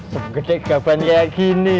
segede gaban kayak gini